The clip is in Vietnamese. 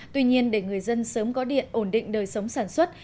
tuy nhiên để người dân sớm có điện ổn định đời sống sản xuất